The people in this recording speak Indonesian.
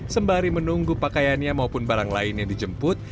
sembari menunggu pakaiannya maupun barang lain yang dijemput